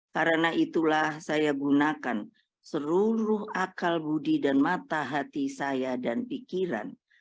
karena itulah saya gunakan seluruh akal budi dan mata hati saya dan pikiran